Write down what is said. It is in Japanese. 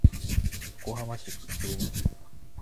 横浜市鶴見区